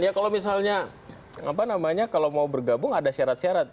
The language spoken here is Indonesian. ya kalau misalnya kalau mau bergabung ada syarat syarat